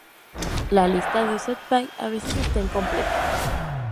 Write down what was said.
La lista de "Used by" a veces está incompleta.